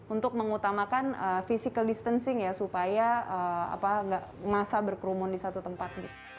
untuk mengutamakan physical distancing supaya tidak ada masa berkerumun di satu tempat